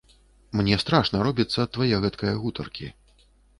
Мне страшна робіцца ад твае гэткае гутаркі.